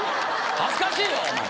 恥ずかしいわお前